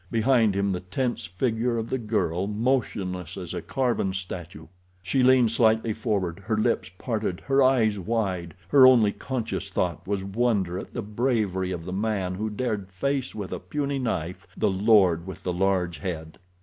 Behind him the tense figure of the girl, motionless as a carven statue. She leaned slightly forward, her lips parted, her eyes wide. Her only conscious thought was wonder at the bravery of the man who dared face with a puny knife the lord with the large head.